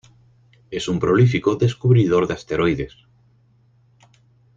Es un prolífico descubridor de asteroides.